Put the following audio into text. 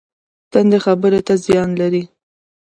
تندې خبرې څه زیان لري؟